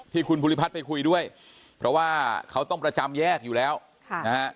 ที่คุณภูริพัฒน์ไปคุยด้วยเพราะว่าเขาต้องประจำแยกอยู่แล้วค่ะนะฮะ